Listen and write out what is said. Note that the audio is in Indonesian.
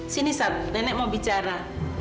sini sat nenek mau bicara